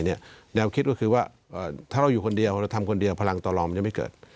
แนวคิดก็คือว่าถ้าเราอยู่คนเดียวเราทำคนเดียวพลังต่อรองมันจะไม่เกิด